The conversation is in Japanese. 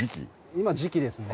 今時期ですね。